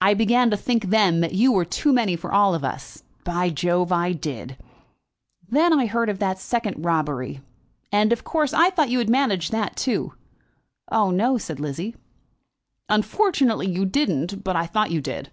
I began to think then that you were too many for all of us. By Jove, I did! Then I heard of the second robbery, and, of course, I thought you had managed that too." "Oh, no," said Lizzie "Unfortunately you didn't; but I thought you did.